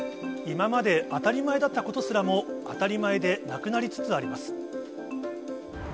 今まで当たり前だったことすらも当たり前でなくなりつつあります。